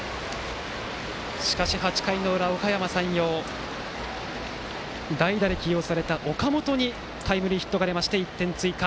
しかし８回の裏、おかやま山陽代打で起用された岡本にタイムリーヒットが出て１点追加。